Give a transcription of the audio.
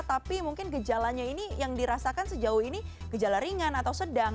tapi mungkin gejalanya ini yang dirasakan sejauh ini gejala ringan atau sedang